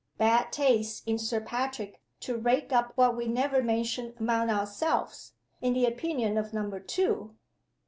Bad taste in Sir Patrick to rake up what we never mention among ourselves in the opinion of Number Two.